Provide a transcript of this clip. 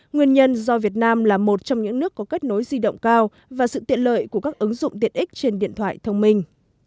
nguyên nhân do việt nam là một trong những nước có kết nối di động cao và sự tiện lợi của các ứng dụng tiện ích trên điện thoại thông minh